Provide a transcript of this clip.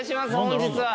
本日は。